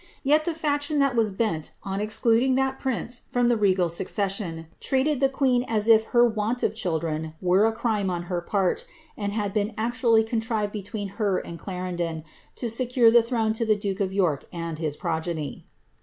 Yet the faction that was bent on excluding that prince from the regal succession treated the queen as if her want of children were a crime on her part, and had been actually contrived between her and Clarendon, to secure the throne to the dake of York and his progeny.